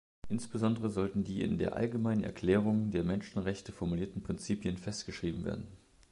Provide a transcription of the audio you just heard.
Insbesondere sollten die in der Allgemeinen Erklärung der Menschenrechte formulierten Prinzipien festgeschrieben werden.